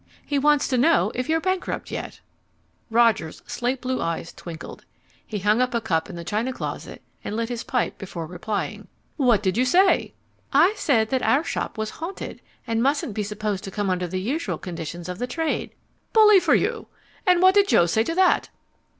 He wants to know if you're bankrupt yet." Roger's slate blue eyes twinkled. He hung up a cup in the china closet and lit his pipe before replying. "What did you say?" "I said that our shop was haunted, and mustn't be supposed to come under the usual conditions of the trade." "Bully for you! And what did Joe say to that?"